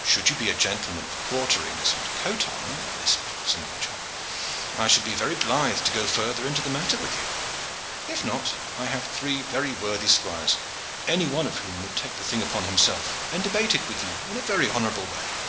"Should you be a gentleman of quarterings and coat armor," lisped Sir Nigel, "I shall be very blithe to go further into the matter with you. If not, I have three very worthy squires, any one of whom would take the thing upon himself, and debate it with you in a very honorable way."